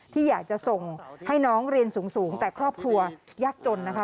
ที่อยากจะส่งให้น้องเรียนสูงแต่ครอบครัวยากจนนะคะ